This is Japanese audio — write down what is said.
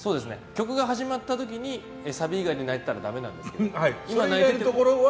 曲が始まった時にサビ以外で泣いてたらだめなんですけど今泣くのは。